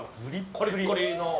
コリコリの。